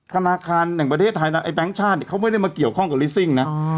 ธนาคารแห่งประเทศไทยนะไอแบงค์ชาติเขาไม่ได้มาเกี่ยวข้องกับลิซิ่งนะ